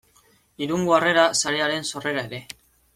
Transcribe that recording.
Irungo Harrera Sarearen sorrera ere.